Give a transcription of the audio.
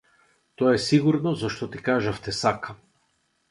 Тоа е сигурно зашто ти кажав те сакам.